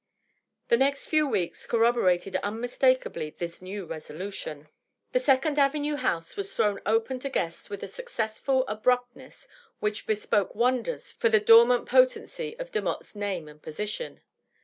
... The next few weeks corroborated unmistakably this new resolu tion. The Second Avenue house was thrown open to guests with a successful abruptness which bespoke wonders for the dormant potency of Demotte's name and position.